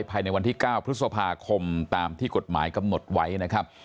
ภายในวันที่๙พฤษภาคมตามที่กฎหมายกำหนดไว้นะครับ